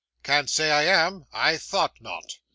'Can't say I am.' 'I thought not.